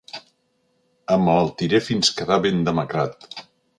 Emmalaltiré fins quedar ben demacrat.